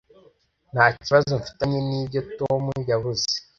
Nta kibazo mfitanye nibyo Tom yavuze.